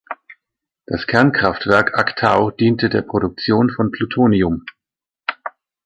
Das Kernkraftwerk Aqtau diente der Produktion von Plutonium.